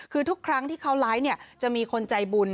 คือทุกครั้งที่เขาไลฟ์จะมีคนใจบุญ